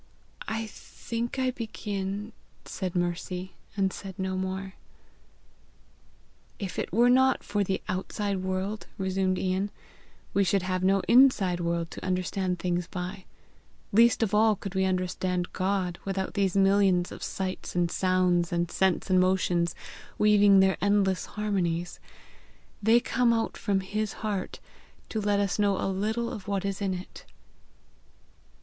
"I think I begin," said Mercy and said no more. "If it were not for the outside world," resumed Ian, "we should have no inside world to understand things by. Least of all could we understand God without these millions of sights and sounds and scents and motions, weaving their endless harmonies. They come out from his heart to let us know a little of what is in it!"